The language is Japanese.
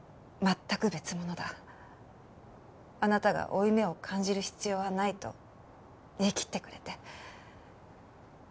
「あなたが負い目を感じる必要はない」と言いきってくれて。